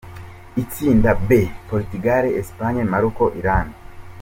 Itsinda B: Portugal, Spain, Morocco, Iran.